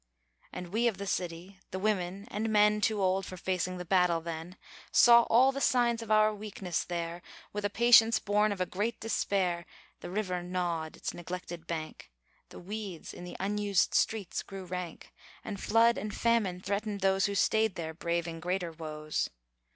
And we of the city, the women, and men Too old for facing the battle then, Saw all the signs of our weakness there With a patience born of a great despair. The river gnawed its neglected bank, The weeds in the unused streets grew rank, And flood and famine threatened those Who stayed there braving greater woes.